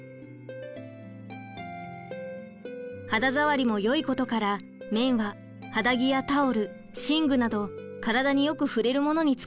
肌触りもよいことから綿は肌着やタオル寝具など体によく触れるものに使われています。